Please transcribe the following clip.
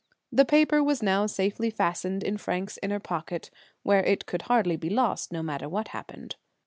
The paper was now safely fastened in Frank's inner pocket, where it could hardly be lost, no matter what happened.